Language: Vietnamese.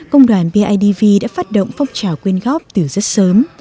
công đoàn bidv đã phát động phong trào quyên góp từ rất sớm